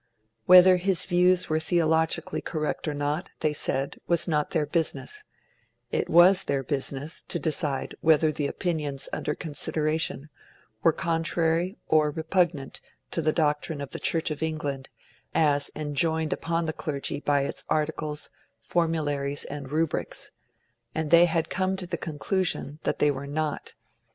Whether his views were theologically correct or not, they said, was not their business; it was their business to decide whether the opinions under consideration were contrary or repugnant to the doctrine of the Church of England as enjoined upon the clergy by its Articles, Formularies, and Rubrics; and they had come to the conclusion that they were not.